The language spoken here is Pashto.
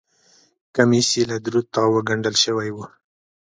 کمیس یې له درو تاوو ګنډل شوی و.